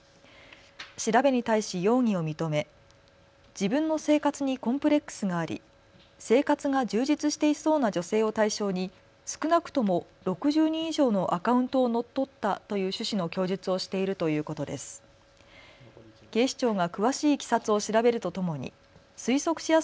調べに対し容疑を認め自分の生活にコンプレックスがあり生活が充実していそうな女性を対象に少なくとも６０人以上のアカウントを乗っ取ったという趣旨の供述をしているということです。